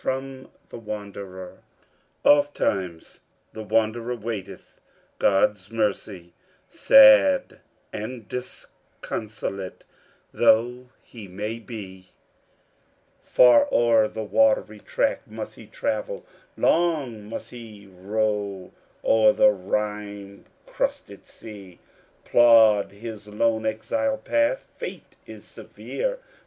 FROM 'THE WANDERER' Oft times the Wanderer waiteth God's mercy, Sad and disconsolate though he may be, Far o'er the watery track must he travel, Long must he row o'er the rime crusted sea Plod his lone exile path Fate is severe.